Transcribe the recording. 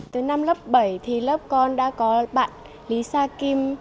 từ năm lớp bảy thì lớp con đã có bạn lý sa kim